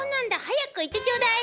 早く言ってちょうだい。